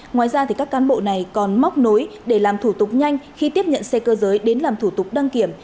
ngoài ra các cán bộ này còn móc nối để làm thủ tục nhanh khi tiếp nhận xe cơ giới đến làm thủ tục đăng kiểm